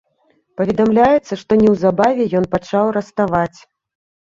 Паведамляецца, што неўзабаве ён пачаў раставаць.